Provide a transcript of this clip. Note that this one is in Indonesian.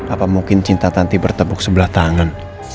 apa mungkin cinta tanti bertepuk sebelah tangan